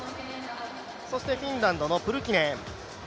そしてフィンランドのプルキネン。